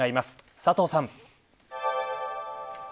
佐藤さん。